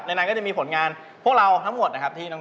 ในนั้นก็จะมีผลงานพวกเราทั้งหมดนะครับที่น้องน้อง